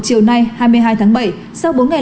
chiều nay hai mươi hai tháng bảy sau bốn ngày